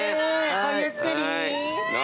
ごゆっくり。